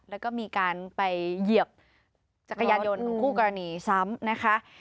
แล้วก็มีการไปเหยียบจักรยานยนต์ของคู่กรณีซ้ำนะคะ